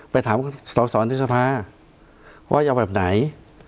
ไปถามสอสอในสภาว่าจะเอาแบบไหน